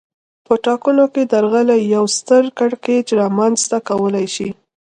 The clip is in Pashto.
په ټاکنو کې درغلي یو ستر کړکېچ رامنځته کولای شي